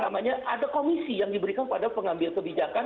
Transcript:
ada komisi yang diberikan pada pengambil kebijakan